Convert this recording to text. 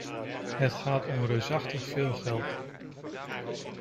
Het gaat om reusachtig veel geld.